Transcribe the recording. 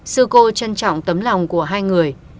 sư cô trân trọng tấm lòng của hai người